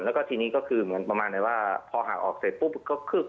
แล้วก็ทีนี้ก็คือเหมือนประมาณเลยว่าพอห่างออกเสร็จปุ๊บก็คึก